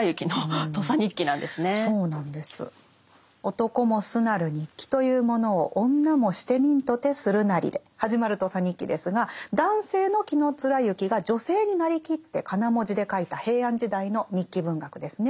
「男もすなる日記といふものを女もしてみむとてするなり」で始まる「土佐日記」ですが男性の紀貫之が女性になりきって仮名文字で書いた平安時代の日記文学ですね。